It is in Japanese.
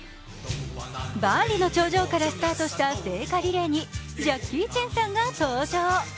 万里の長城からスタートした聖火リレーにジャッキー・チェンさんが登場。